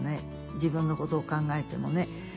自分のことを考えてもね。